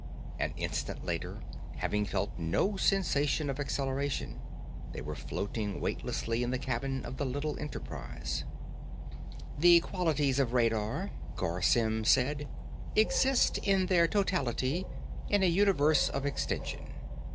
An instant later, having felt no sensation of acceleration, they were floating weightlessly in the cabin of the little Enterprise. "The qualities of radar," Garr Symm said, "exist in their totality in a universe of extension.